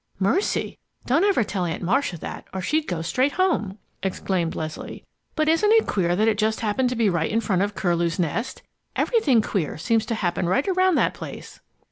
"Mercy! Don't ever tell Aunt Marcia that, or she'd go straight home!" exclaimed Leslie. "But isn't it queer that it just happened to be right in front of Curlew's Nest! Everything queer seems to happen right around that place."